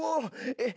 えっ？